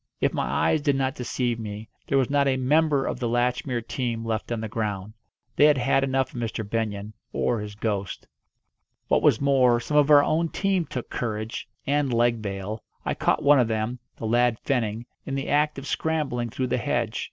If my eyes did not deceive me, there was not a member of the Latchmere team left on the ground. They had had enough of Mr. Benyon or his ghost. What was more, some of our own team took courage, and leg bail. I caught one of them the lad Fenning in the act of scrambling through the hedge.